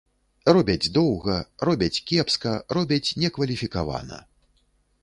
Робяць доўга, робяць кепска, робяць некваліфікавана.